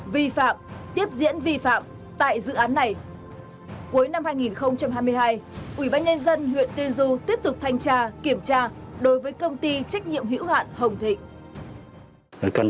vi phạm tiếp diễn vi phạm tại dự án này